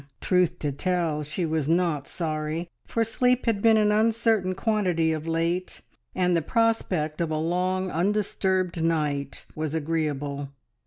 Truth to tell she was not sorry, for sleep had been an uncertain quantity of late, and the prospect of a long undisturbed night was agreeable.